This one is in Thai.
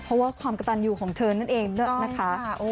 เพราะว่าความกระตันอยู่ของเธอนั่นเองนะคะ